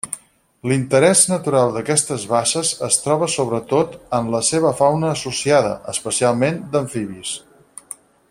L'interès natural d'aquestes basses es troba sobretot en la seva fauna associada, especialment d'amfibis.